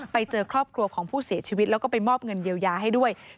ไปเจอครอบครัวของผู้เสียชีวิตแล้วก็ไปมอบเงินเยียวยาให้ด้วย